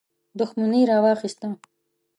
دښمني راواخیسته.